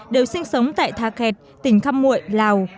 đều sinh sống tại tha khẹt tỉnh khăm muội lào